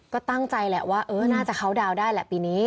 ก็ตั้งใจแหละว่าน่าจะเข้าดาวน์ได้แหละปีนี้